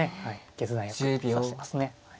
決断よく指してますね。